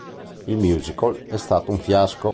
Il musical è stato un fiasco.